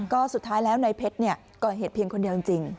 ก็สุดท้ายแล้วในเพชรก่อเหตุเพียงคนเดียวจริง